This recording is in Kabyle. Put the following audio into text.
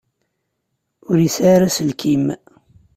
Ur yesɛi ara aselkim.